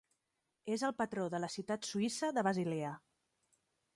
És el patró de la ciutat suïssa de Basilea.